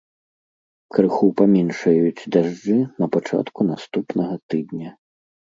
Крыху паменшаюць дажджы на пачатку наступнага тыдня.